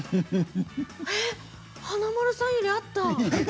え華丸さんよりあった。